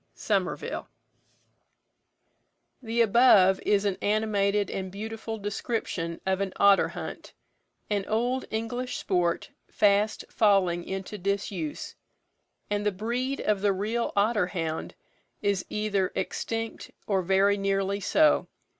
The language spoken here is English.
SOMERVILLE. The above is an animated and beautiful description of an otter hunt, an old English sport fast falling into disuse, and the breed of the real otter hound is either extinct or very nearly so.